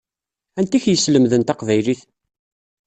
Anta i k-yeslemden taqbaylit?